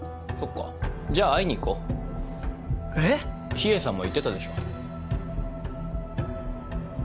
秘影さんも言ってたでしょ。